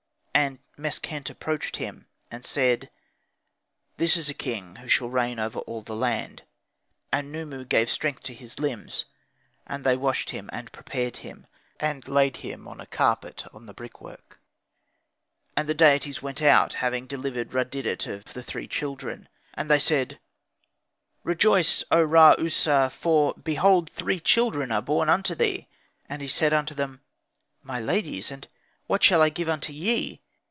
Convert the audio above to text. And Meskhent approached him and said, "This is a king who shall reign over all the land." And Khnumu gave strength to his limbs. And they washed him, and prepared him, and layed him on a carpet on the brickwork. And the deities went out, having delivered Rud didet of the three children. And they said, "Rejoice! O Ra user, for behold three children are born unto thee." And he said unto them, "My ladies, and what shall I give unto ye?